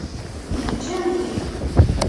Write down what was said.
Mačči inek.